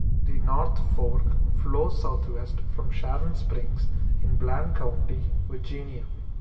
The North Fork flows southwest from Sharon Springs in Bland County, Virginia.